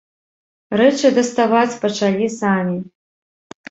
Рэчы даставаць пачалі самі.